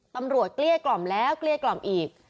เกลี้ยกล่อมแล้วเกลี้ยกล่อมอีก